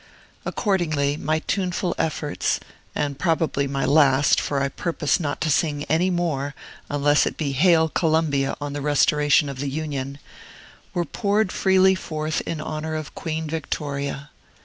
Accordingly, my first tuneful efforts (and probably my last, for I purpose not to sing any more, unless it he "Hail Columbia" on the restoration of the Union) were poured freely forth in honor of Queen Victoria.